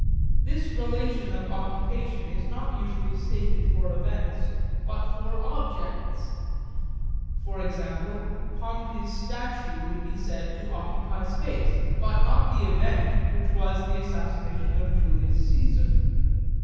This relation of occupation is not usually stated for events but for objects. For example, Pompey's statue would be said to occupy space, but not the event which was the assassination of Julius Caesar.